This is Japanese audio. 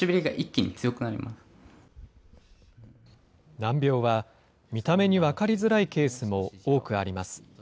難病は、見た目に分かりづらいケースも多くあります。